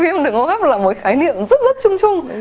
viêm đường hô hấp là một khái niệm rất rất chung chung